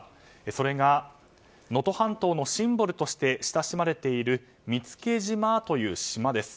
それが、能登半島のシンボルとして親しまれている見附島という島です。